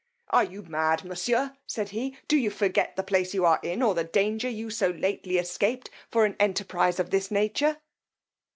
Are you mad, monsieur, said he; do you forget the place you are in, or the danger you so lately escaped for an enterprize of this nature?